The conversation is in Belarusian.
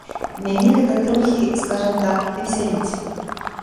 Мяне гэта трохі, скажам так, весяліць.